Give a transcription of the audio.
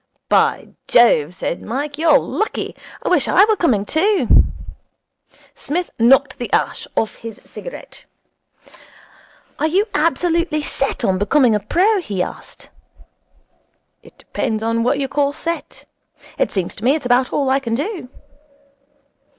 'By Jove!' said Mike, 'you're lucky. I wish I were coming too.' Psmith knocked the ash off his cigarette. 'Are you absolutely set on becoming a pro?' he asked. 'It depends on what you call set. It seems to me it's about all I can do.'